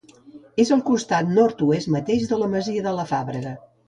És al costat nord-oest mateix de la masia de la Fàbrega.